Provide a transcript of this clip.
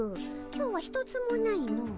今日は一つもないの。